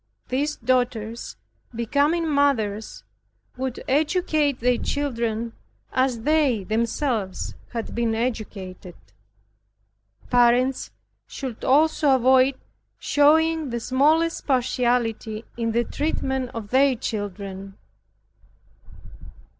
These daughters becoming mothers, would educate their children as they themselves had been educated. Parents should also avoid showing the smallest partiality in the treatment of their children.